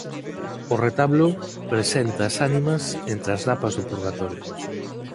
O retablo presenta as ánimas entre as lapas do purgatorio